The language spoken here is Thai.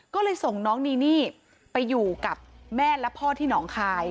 ก็เลยส่งน้องนีนี่ไปอยู่กับแม่และพ่อที่หนองคาย